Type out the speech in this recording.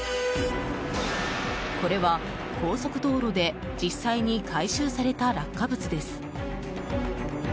これは高速道路で実際に回収された落下物です。